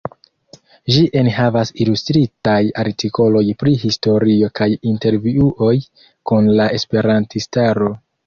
Ĝi enhavas ilustritaj artikoloj pri historio kaj intervjuoj kun la esperantistaro.